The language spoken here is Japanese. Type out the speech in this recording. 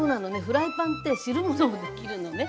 フライパンって汁物もできるのね。